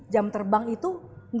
jam terbang itu gak ada